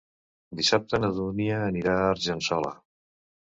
Dissabte na Dúnia anirà a Argençola.